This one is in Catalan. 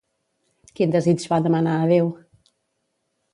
Quin desig va demanar a Déu?